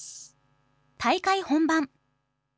大会本番。